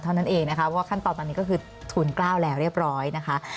เท่านั้นเองให้รับเข้าค้นตอนก็คือถูนกล้าวแล้วเรียบร้อยนะคะ